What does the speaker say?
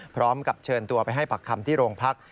พร้อมกับเชิญตัวไปให้ปักคำที่โรงพัก